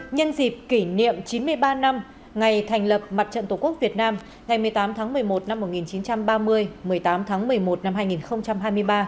nhân dịp kỷ niệm chín mươi ba năm ngày thành lập mặt trận tổ quốc việt nam ngày một mươi tám tháng một mươi một năm một nghìn chín trăm ba mươi một mươi tám tháng một mươi một năm hai nghìn hai mươi ba